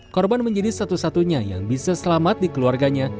korban menjadi satu satunya yang bisa selamat di keluarganya